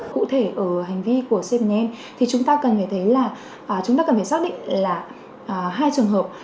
cụ thể ở hành vi của cbm thì chúng ta cần phải thấy là chúng ta cần phải xác định là hai trường hợp